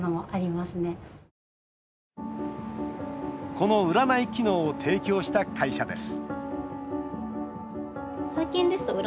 この占い機能を提供した会社です